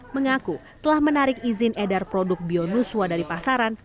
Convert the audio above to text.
mengaku telah menarik izin edar produk bionuswa dari pasaran